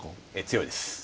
強いです。